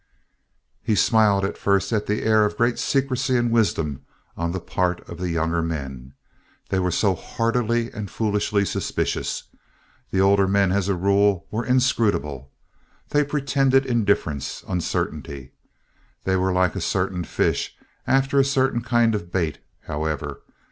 He smiled at first at the air of great secrecy and wisdom on the part of the younger men. They were so heartily and foolishly suspicious. The older men, as a rule, were inscrutable. They pretended indifference, uncertainty. They were like certain fish after a certain kind of bait, however.